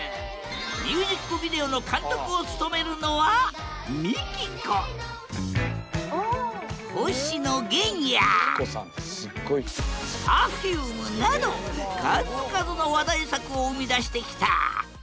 ミュージックビデオの監督を務めるのは星野源やＰｅｒｆｕｍｅなど数々の話題作を生み出してきた。